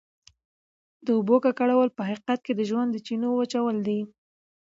د اوبو ککړول په حقیقت کې د ژوند د چینو وچول دي.